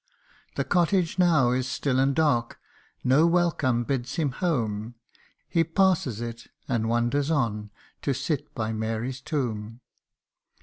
The cottage now is still and dark, no welcome bids him home, He passes it and wanders on, to sit by Mary's tomb.